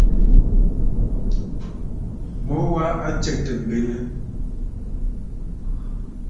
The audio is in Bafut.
Mu wa a tsɛ̂tə̀ m̀benə.